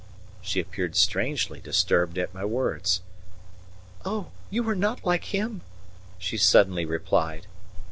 She appeared strangely disturbed at my words. "Oh, you are not like him," she suddenly replied.